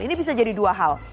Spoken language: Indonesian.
ini bisa jadi dua hal